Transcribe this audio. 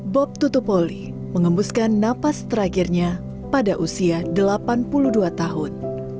bob tutupoli mengembuskan napas terakhirnya pada usia delapan puluh dua tahun